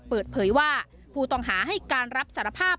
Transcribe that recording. เปิดเผยว่าผู้ต้องหาให้การรับสารภาพ